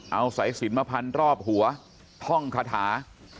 เอาสายสินมาพันรอบหัวท่องคาถา